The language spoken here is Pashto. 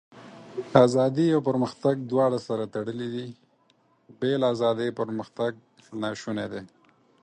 """ازادي او پرمختګ دواړه سره تړلي دي، بې له ازادۍ پرمختګ ناشونی دی."""